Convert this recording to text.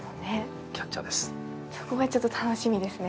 そこがちょっと楽しみですね